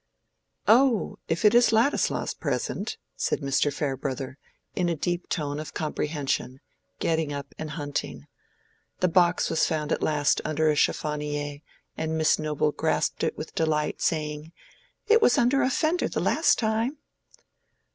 "Oh, if it is Ladislaw's present," said Mr. Farebrother, in a deep tone of comprehension, getting up and hunting. The box was found at last under a chiffonier, and Miss Noble grasped it with delight, saying, "it was under a fender the last time."